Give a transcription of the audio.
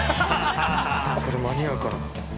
これ、間に合うかな？